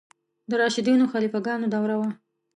د راشدینو خلیفه ګانو دوره وه.